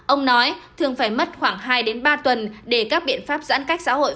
ông nói thường phải mất khoảng hai ba tuần để các biện pháp giãn cách xã hội